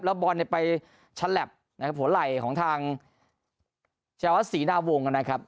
แล้วบอลเนี่ยไปชั้นแหลบนะครับผลไหล่ของทางเชียวสศรีหน้าวงนะครับ